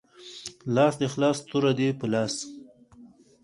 لاس دی خلاص توره دی په لاس